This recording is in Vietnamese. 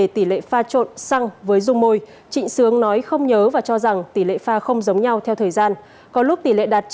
trịnh sướng nói không nhớ và cho rằng tỷ lệ pha không giống nhau theo thời gian có lúc tỷ lệ đạt chín mươi